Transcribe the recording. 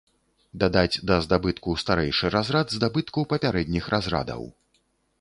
Дадаць да здабытку старэйшы разрад здабытку папярэдніх разрадаў.